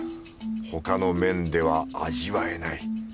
他の麺では味わえない。